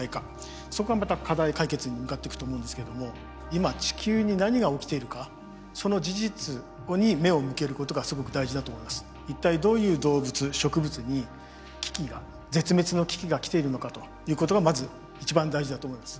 そこがまた課題解決に向かっていくと思うんですけれども一体どういう動物植物に危機が絶滅の危機が来ているのかということがまず一番大事だと思います。